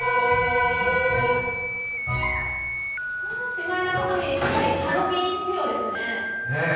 シマエナガファミリー、すっかりハロウィーン仕様ですね。